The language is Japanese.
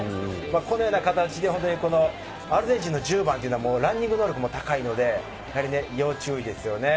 このような形でアルゼンチンの１０番はランニング能力も高いので要注意ですよね。